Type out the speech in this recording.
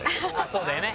「そうだよね。